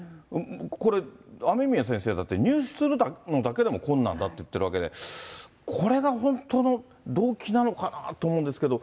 これ、雨宮先生だって、入手するのだけでも困難だっていってるわけで、これが本当の動機なのかなと思うんですけど。